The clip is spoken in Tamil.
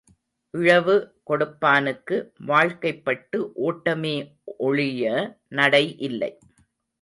இழவு கொடுப்பானுக்கு வாழ்க்கைப்பட்டு ஓட்டமே ஒழிய நடை இல்லை.